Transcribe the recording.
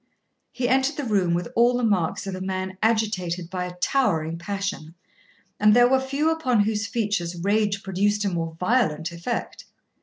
He entered the room with all the marks of a man agitated by a towering passion; and there were few upon whose features rage produced a more violent effect.